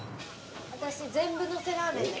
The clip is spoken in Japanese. ・私全部のせラーメンで。